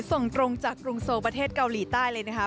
ส่งตรงจากกรุงโซประเทศเกาหลีใต้เลยนะคะ